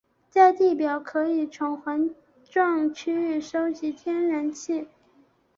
在地表可以从环状区域收集天然气。